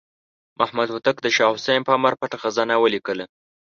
محمد هوتک د شاه حسین په امر پټه خزانه ولیکله.